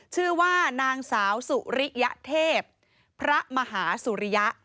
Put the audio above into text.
ชื่อว่านางสาวสุริยเทพพระมหาสุริยะ